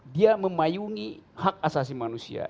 dia memayungi hak asasi manusia